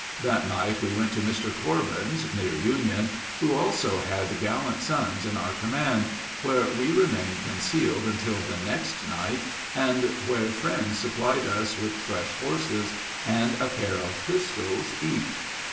That night we went to Mr. Corbin's, near Union, who also had gallant sons in our command, where we remained concealed until the next night, and where friends supplied us with fresh horses and a pair of pistols each.